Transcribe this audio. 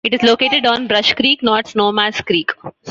It is located on Brush Creek, not Snowmass Creek.